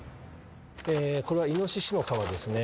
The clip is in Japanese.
これはイノシシの革ですね。